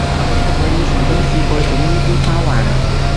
我以前都試過整呢啲花環